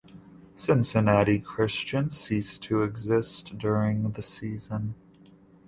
Cincinnati Christian ceased to exist during the season.